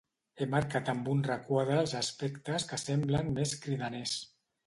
He marcat amb un requadre els aspectes que semblen més cridaners.